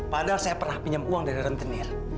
padahal saya pernah pinjam uang dari rentenir